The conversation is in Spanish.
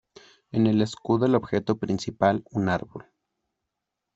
En el escudo el objeto principal un árbol.